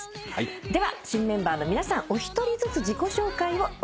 では新メンバーの皆さんお一人ずつ自己紹介をお願いします。